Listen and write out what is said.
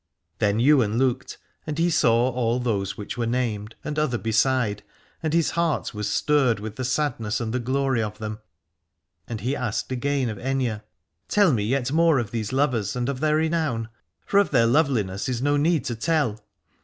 Then Ywain looked, and he saw all those which were named, and other beside : and his heart was stirred with the sadness and the glory of them, and he asked again of Aithne : Tell me yet more of these lovers and of their renown, for of their loveliness is no need to tell.